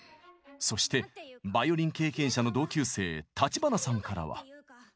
そしてバイオリン経験者の同級生立花さんからは。